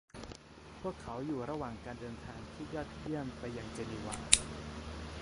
พวกเขาอยู่ระหว่างการเดินทางที่ยอดเยี่ยมไปยังเจนีวา